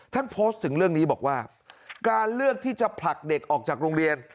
ท่านโพสต์ถึงเรื่องนี้บอกว่าการเลือกที่จะผลักเด็กออกจากโรงเรียน